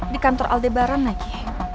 di kantor aldebaran lagi